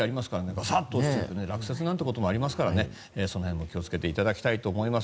がさっと落ちてきて落雪なんてこともありますからその辺も気を付けていただきたいと思います。